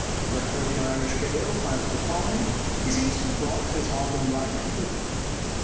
Wherever the Irish Gael planted a colony, he seems to have brought his Ogam writing with him.